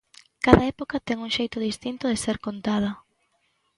Cada época ten un xeito distinto de ser contada.